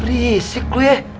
risik lo ya